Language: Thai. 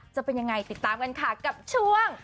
จะเป็นยังไงติดตามกันค่ะกับช่วง